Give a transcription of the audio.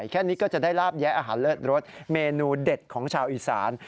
แค่นี้ก็จะได้ลาบแยะอาหารเลิศรสเมนูเด็ดของชาวอีสาน